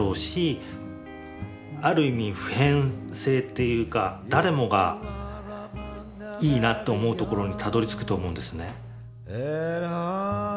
普遍性というか誰もがいいなと思うところにたどりつくと思うんですね。